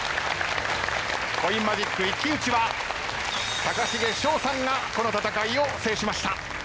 コインマジック一騎打ちは高重翔さんがこの戦いを制しました。